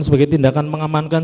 sebagai tindakan mengamankan